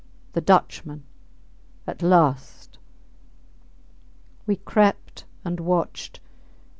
. The Dutchman! ... At last! ... We crept and watched.